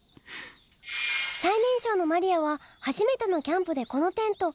最年少のマリアは初めてのキャンプでこのテント。